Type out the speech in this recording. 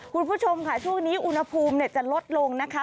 คุณผู้ชมค่ะช่วงนี้อุณหภูมิจะลดลงนะคะ